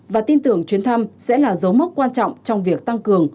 và tin tưởng chuyến thăm sẽ là dấu mốc quan trọng trong việc tăng cường